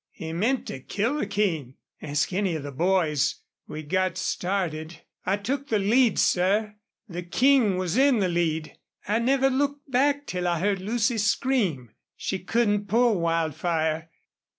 He meant to kill the King! ... Ask any of the boys.... We got started. I took the lead, sir. The King was in the lead. I never looked back till I heard Lucy scream. She couldn't pull Wildfire.